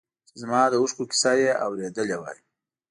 چې زما د اوښکو کیسه یې اورېدی وای.